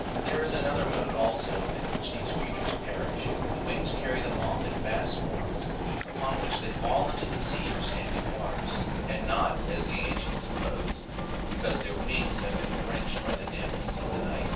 There is another mode, also, in which these creatures perish ; the winds carry them off in vast swarms, upon which they fall into the sea or standing waters, and not, as the ancients sup posed, because their wings have been drenched by the damp ness of the night.